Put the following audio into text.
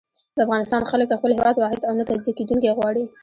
د افغانستان خلک خپل هېواد واحد او نه تجزيه کېدونکی غواړي.